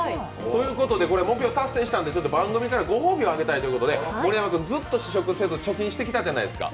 目標達成したので、番組からご褒美をあげたいということで、盛山君、ずっと試食せず貯金してきたじゃないですか。